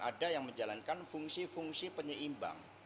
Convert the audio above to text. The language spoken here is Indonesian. ada yang menjalankan fungsi fungsi penyeimbang